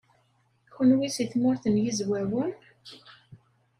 Kenwi seg Tmurt n Yizwawen?